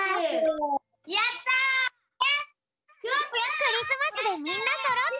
クリスマスでみんなそろった！